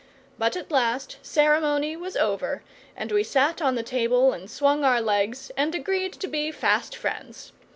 But at last ceremony was over, and we sat on the table and swung our legs and agreed to be fast friends.